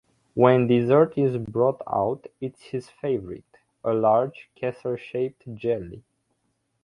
When dessert is brought out, it's his favorite - a large, castle-shaped jelly.